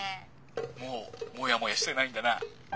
もうモヤモヤしてないんだな。